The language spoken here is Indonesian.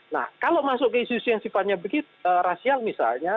nah kalau masuk ke sisi sisi yang sifatnya rasial misalnya